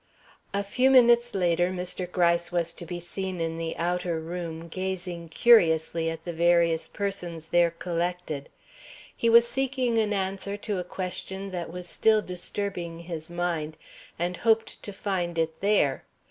A few minutes later Mr. Gryce was to be seen in the outer room, gazing curiously at the various persons there collected. He was seeking an answer to a question that was still disturbing his mind, and hoped to find it there.